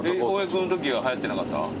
君のときはやってなかった？